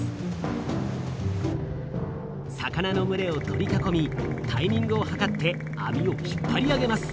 魚のむれを取り囲みタイミングを計ってあみを引っぱり上げます。